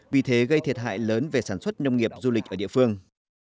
vì thế gây thiệt hại lớn về sản xuất nông nghiệp du lịch ở địa phương